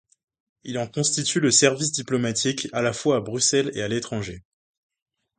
Il en constitue le service diplomatique, à la fois à Bruxelles et à l'étranger.